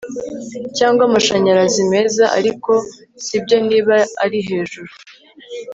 Cyangwa amashanyarazi meza ariko sibyo niba ari hejuru